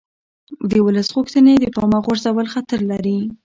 د ولس غوښتنې د پامه غورځول خطر لري